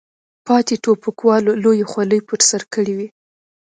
پاتې ټوپکوالو لویې خولۍ په سر کړې وې.